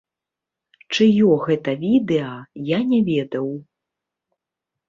Чыё гэта відэа, я не ведаў.